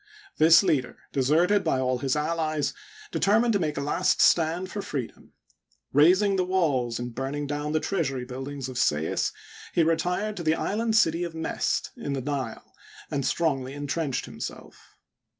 This leader, deserted by all his allies, determined to make a last stand for free dom. Razing the walls and burning down the treasury building of Sais, he retired to the island city of Mesd in the Nile, and strongly intrenched himself.